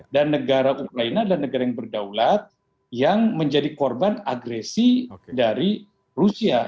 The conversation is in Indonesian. dan negara lain adalah negara yang berdaulat yang menjadi korban agresi dari rusia